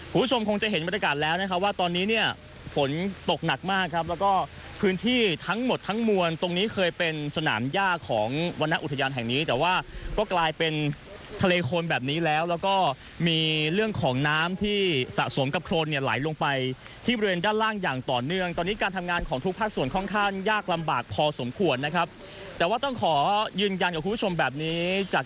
คุณผู้ชมคงจะเห็นบรรยากาศแล้วนะครับว่าตอนนี้เนี่ยฝนตกหนักมากครับแล้วก็พื้นที่ทั้งหมดทั้งมวลตรงนี้เคยเป็นสนามยากของวรรณอุทยานแห่งนี้แต่ว่าก็กลายเป็นทะเลโคนแบบนี้แล้วแล้วก็มีเรื่องของน้ำที่สะสมกับโครนเนี่ยไหลลงไปที่บริเวณด้านล่างอย่างต่อเนื่องตอนนี้การทำงานของทุกภาคส่วนค่อนข้างยากลำบากพอสมควรนะครับแต่ว่าต้องขอยืนยันกับคุณผู้ชมแบบนี้จาก